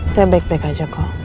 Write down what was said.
saya baik baik aja kok